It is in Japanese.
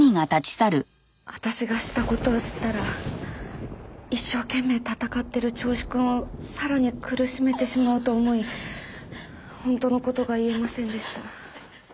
私がした事を知ったら一生懸命闘ってる銚子くんをさらに苦しめてしまうと思い本当の事が言えませんでした。